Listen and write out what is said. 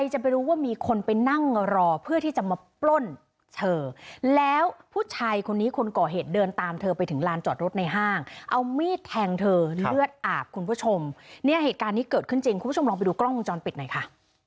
หน้าเพื่อกล้องฟังจรปิดหน่อยค่ะ